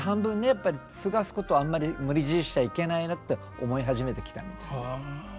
やっぱり継がすことはあんまり無理強いしちゃいけないなって思い始めてきたみたい。